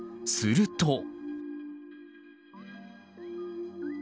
すると。